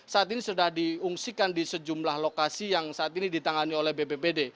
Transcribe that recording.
saat ini sudah diungsikan di sejumlah lokasi yang saat ini ditangani oleh bppd